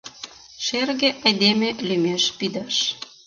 Шерге айдеме лӱмеш пидаш.